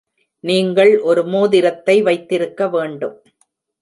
நீங்கள் ஒரு மோதிரத்தை வைத்திருக்க வேண்டும்.